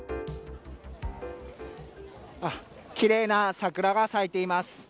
奇麗な桜が咲いています。